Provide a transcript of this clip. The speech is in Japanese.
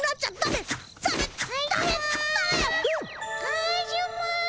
カジュマ。